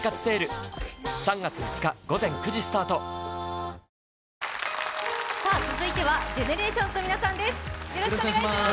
「お椀で食べるシリーズ」続いてはＧＥＮＥＲＡＴＩＯＮＳの皆さんです